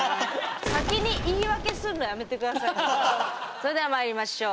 それでは参りましょう。